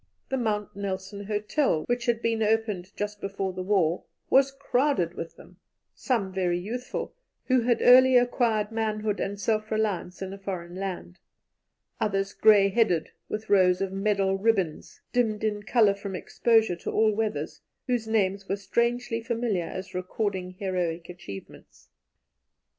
The Mount Nelson Hotel, which had been opened just before the war, was crowded with them some very youthful, who had early acquired manhood and selfreliance in a foreign land; others grey headed, with rows of medal ribbons, dimmed in colour from exposure to all weathers, whose names were strangely familiar as recording heroic achievements.